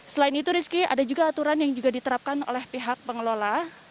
selain itu rizky ada juga aturan yang juga diterapkan oleh pihak pengelola